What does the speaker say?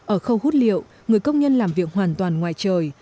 ở khâu hút liệu người công nhân làm việc hoàn toàn ngoài trời